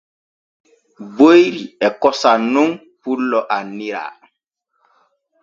Boyri e kosam nun pullo anniara.